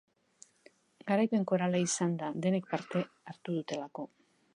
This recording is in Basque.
Garaipen korala izan da, denek parte hartu dutelako.